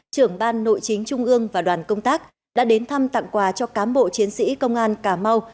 trưởng ban nội chính trung ương và đoàn công tác đã đến thăm tặng quà cho cám bộ chiến sĩ công an cà mau